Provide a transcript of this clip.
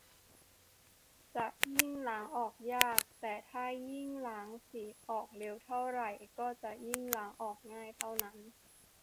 จะยิ่งล้างออกยาก แต่ถ้ายิ่งล้างสีออกเร็วเท่าไร ก็จะยิ่งล้างออกง่ายเท่านั้น